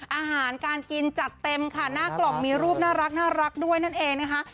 อาหารการกินจัดเต็มค่ะหน้ากล่องมีรูปน่ารักด้วยนั่นเองนะคะ